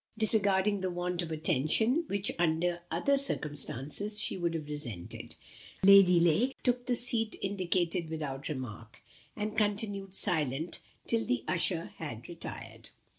Disregarding the want of attention, which, under other circumstances, she would have resented, Lady Lake took the seat indicated without remark, and continued silent till the usher had retired.